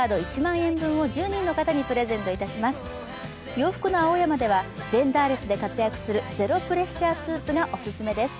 洋服の青山ではジェンダーレスで活躍するゼロプレッシャースーツがオススメです。